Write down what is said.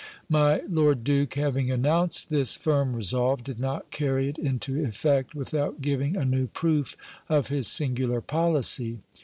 My lord duke, having announced this firm resolve, did not carry it into effect without giving a new proof of his singular policy.